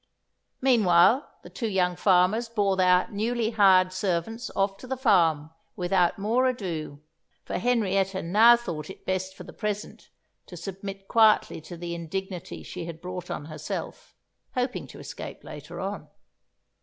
Meanwhile the two young farmers bore their newly hired servants off to the farm without more ado; for Henrietta now thought it best for the present to submit quietly to the indignity she had brought on herself, hoping to escape later on.